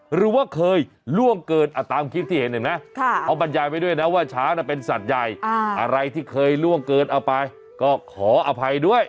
หรือว่าเคยล่วงเกินตามคลิปที่เห็นเห็นไหมเขาบรรยายไว้ด้วยนะว่าช้างเป็นสัตว์ใหญ่อะไรที่เคยล่วงเกินเอาไปก็ขออภัยด้วย